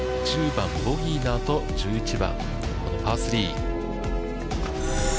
１０番、ボギーのあと、１１番、パー３。